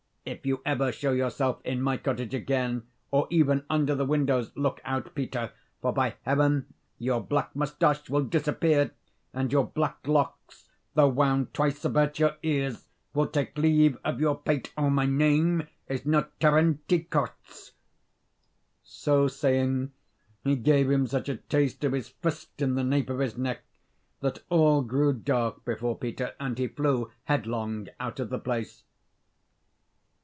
"If you ever show yourself in my cottage again, or even under the windows, look out, Peter, for, by heaven, your black moustache will disappear; and your black locks, though wound twice about your ears, will take leave of your pate, or my name is not Terentiy Korzh." So saying, he gave him such a taste of his fist in the nape of his neck, that all grew dark before Peter, and he flew headlong out of the place.